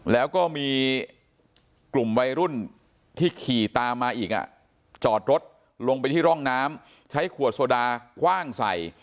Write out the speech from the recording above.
แล้วก็มีกลุ่มวัยรุ่นที่ขี่ตามมาอีกจอดรถลงไปที่ร่องน้ำใช้ขวดโซดาคว่างใส่